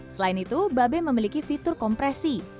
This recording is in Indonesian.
selain itu babe memiliki fitur kompresi